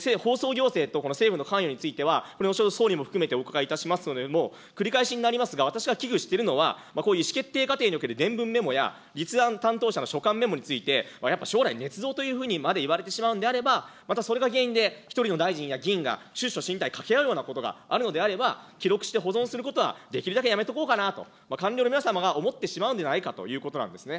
放送行政とこの政府の関与については、総理も含めてお伺いいたしますけれども、繰り返しになりますが、私は危惧してるのは、こういう意思決定過程における伝聞メモや、立案担当者の所感メモについて、将来ねつ造というふうに言われてしまうんであれば、またそれが原因で一人の大臣や議員が出処進退をかけるようなことがあれば、記録して保存することはできるだけやめとこうかなと、官僚の皆様が思ってしまうのではないかということなんですね。